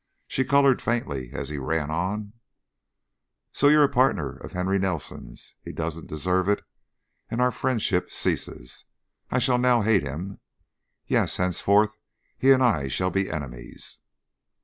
She colored faintly as he ran on: "So you're a partner of Henry Nelson's! He doesn't deserve it and our friendship ceases. I shall now hate him. Yes, henceforth he and I shall be enemies."